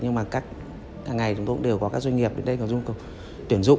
nhưng mà hàng ngày chúng tôi cũng đều có các doanh nghiệp đến đây có nhu cầu tuyển dụng